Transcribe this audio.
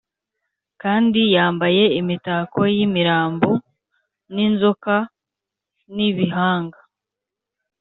kandi yambaye imitako y’imirambo ninzoka n’ibihanga.